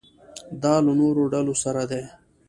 دا له نورو ډلو سره ده.